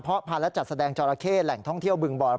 พอผ่านและจัดแสดงจตรเขตแหล่งท่องเที่ยวบึงบอร์แตศ